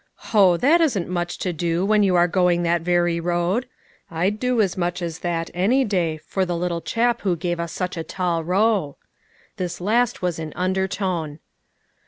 " Ho ! that isn't much to do when you are going that very road. I'd do as much as that, any day, for the little chap who gave us such a tall row." This last was in undertone.